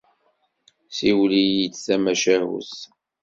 Siwel-iyi-d tamacahut.